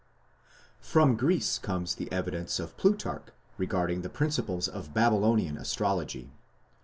From Greece comes the evidence of Plutarch regarding the principles of Babylonian astrology.